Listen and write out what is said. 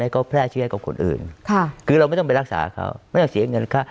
เขาแพร่เชื้อกับคนอื่นค่ะคือเราไม่ต้องไปรักษาเขาไม่ต้องเสียเงินค่า